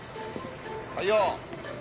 はいよ。